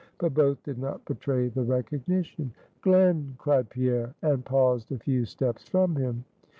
But both did not betray the recognition. "Glen!" cried Pierre, and paused a few steps from him.